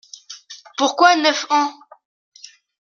Pourquoi neuf ans?